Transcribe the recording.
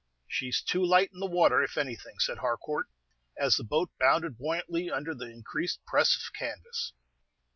"She 's too light in the water, if anything," said Harcourt, as the boat bounded buoyantly under the increased press of canvas.